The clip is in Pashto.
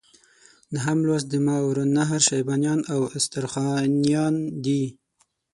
نهم لوست د ماوراء النهر شیبانیان او استرخانیان دي.